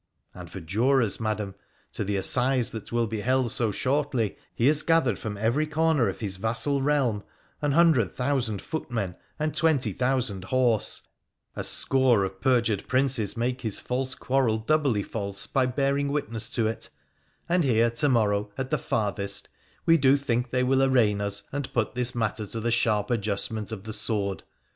And for jurors, Madam, to the assize that will be held so shortly he has gathered from every corner of his vassal realm an hundred o2 196 WONDERFUL ADVENTURES OF thousand footmen and twenty thousand horse ; a score of perjured Princes make his false quarrel doubly false by bear ing witness to it, and here, to morroxo at the farthest, ive do think, they will arraign lis, and put this matter to the sharp adjustment of the sword.